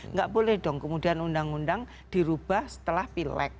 nggak boleh dong kemudian undang undang dirubah setelah pilek